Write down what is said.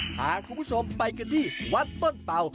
พาคุณผู้ชมไปกันที่วัดต้นเป่า